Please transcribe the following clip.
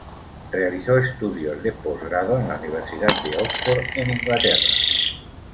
Realizó estudios de posgrado en la Universidad de Oxford en Inglaterra.